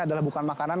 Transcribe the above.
adalah bukan makanan